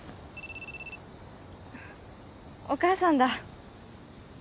お母さんだ。